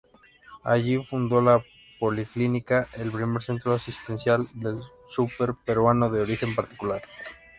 Allí fundó la Policlínica, el primer centro asistencial del sur peruano de origen particular.